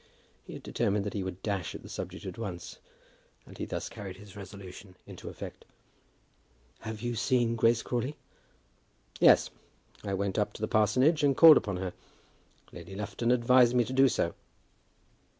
He had determined that he would dash at the subject at once, and he thus carried his resolution into effect. "You have seen Grace Crawley?" "Yes; I went up to the parsonage and called upon her. Lady Lufton advised me to do so."